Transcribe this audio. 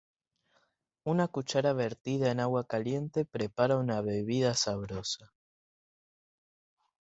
Una cucharada vertida en agua caliente prepara una bebida sabrosa.